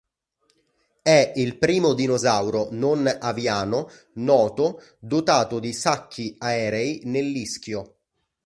È il primo dinosauro non aviano noto dotato di sacchi aerei nell'ischio.